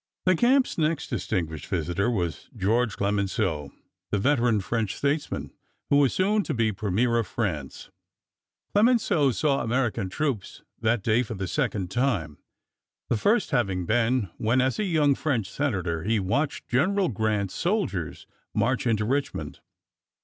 The camp's next distinguished visitor was Georges Clemenceau, the veteran French statesman who was soon to be Premier of France. Clemenceau saw American troops that day for the second time, the first having been when, as a young French senator, he watched General Grant's soldiers march into Richmond.